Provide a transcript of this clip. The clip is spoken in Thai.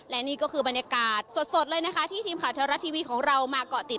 และนี่ก็คือบรรยากาศสดเลยนะคะที่ทีมข่าวเทวรัฐทีวีของเรามาเกาะติด